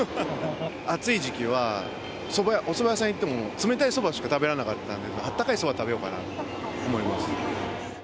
暑い時期はおそば屋さん行っても冷たいそばしか食べられなかったんで、あったかいそば食べようかなと思います。